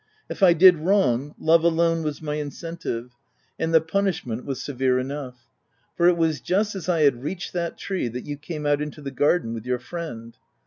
If I did wrong, love alone was my incentive, and the punishment was severe enough ; for it was just as I had reached that tree, that you came out into the garden with your friend.